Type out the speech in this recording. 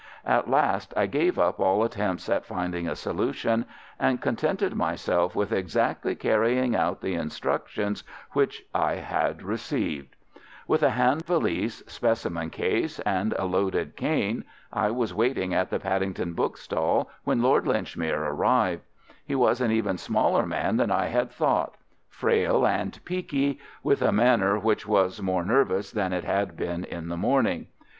At last I gave up all attempts at finding a solution, and contented myself with exactly carrying out the instructions which I had received. With a hand valise, specimen case, and a loaded cane, I was waiting at the Paddington bookstall when Lord Linchmere arrived. He was an even smaller man than I had thought—frail and peaky, with a manner which was more nervous than it had been in the morning.